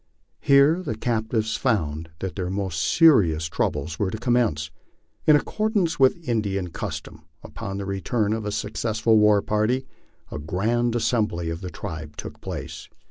Here the captives found that their most serious troubles were to commence. In accordance with Indian custom, upon the return of a successful war party, a grand assembly of the tribe took place.